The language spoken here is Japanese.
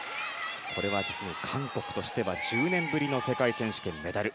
これは実に韓国としては１０年ぶりの世界選手権のメダル。